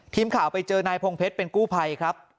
ทีมข่าวไปเจอนายพงเพชรเป็นกู้ภัยครับ